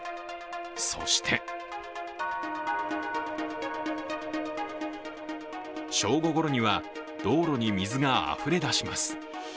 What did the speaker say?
そして正午ごろには道路に水があふれ出します。